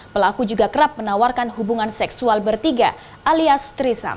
pelaku juga kerap menawarkan hubungan seksual bertiga alias trisak